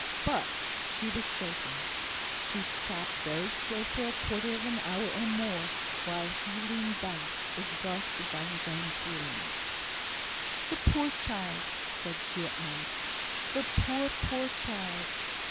But she was shaken. She sat very still for a quarter of an hour or more, while he leaned back, exhausted by his own feelings. "The poor child!" said she, at length "the poor, poor child!